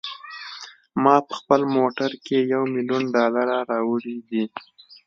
ما په خپل موټر کې یو میلیون ډالره راوړي دي.